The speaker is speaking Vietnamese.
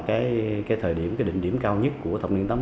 cái định điểm cao nhất của thập niên tám mươi